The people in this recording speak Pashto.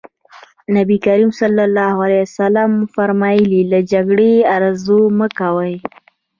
نبي کريم ص وفرمايل له جګړې ارزو مه کوئ.